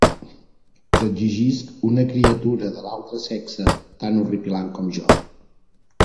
T'exigisc una criatura de l'altre sexe, tan horripilant com jo.